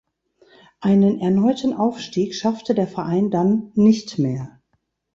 Einen erneuten Aufstieg schaffte der Verein dann nicht mehr.